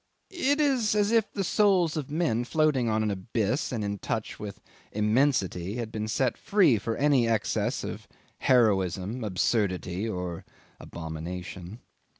It is as if the souls of men floating on an abyss and in touch with immensity had been set free for any excess of heroism, absurdity, or abomination.